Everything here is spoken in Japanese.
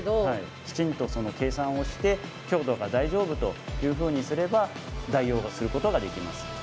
きちんと計算をして強度が大丈夫というふうにすれば代用をすることができます。